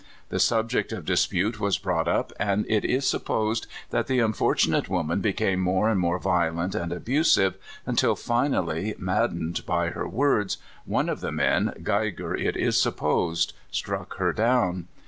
The subject of dispute was brought up, and it is supposed that the unfortunate woman became more and more violent and abusive, until finally, maddened by her words, one of the men, Geiger, it is supposed, struck her down.